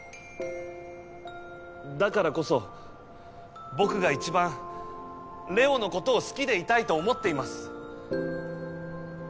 だからこそ僕が一番れおのことを好きでいたいと思っています